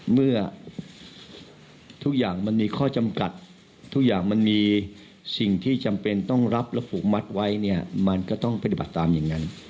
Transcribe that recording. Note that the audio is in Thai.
เมื่อทุกอย่างมันมีข้อจำกัดทุกอย่างมันมีสิ่งที่จำเป็นต้องรับและผูกมัดไว้เนี่ยมันก็ต้องปฏิบัติตามอย่างนั้น